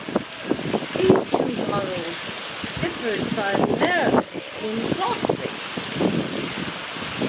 These two models differed primarily in clock rates.